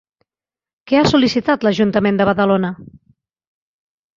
Què ha sol·licitat l'Ajuntament de Badalona?